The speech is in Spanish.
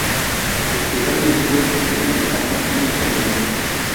Escritor bilingüe, escribía en español y en gallego.